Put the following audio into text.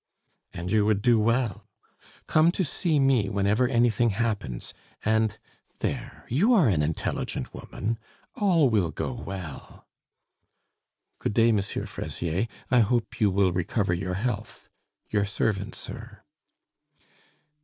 "And you would do well. Come to see me whenever anything happens, and there! you are an intelligent woman; all will go well." "Good day, M. Fraisier. I hope you will recover your health. Your servant, sir."